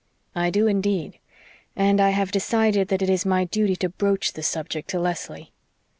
"I do, indeed. And I have decided that it is my duty to broach the subject to Leslie."